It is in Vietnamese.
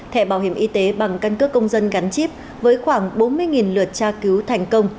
thẻ bảo hiểm y tế bằng căn cước công dân gắn chip với khoảng bốn mươi lượt tra cứu thành công